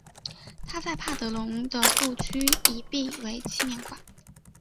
他在帕德龙的故居已辟为纪念馆。